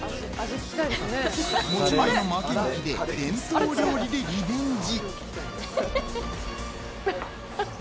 持ち前の負けん気で伝統料理でリベンジ。